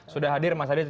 sudah hadir mas adit